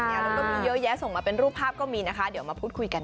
แล้วก็มีเยอะแยะส่งมาเป็นรูปภาพก็มีนะคะเดี๋ยวมาพูดคุยกัน